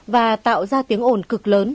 và tạo ra tiếng ổn cực lớn